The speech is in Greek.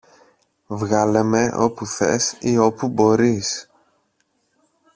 Βγάλε με όπου θες ή όπου μπορείς